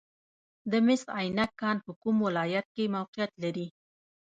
د مس عینک کان په کوم ولایت کې موقعیت لري؟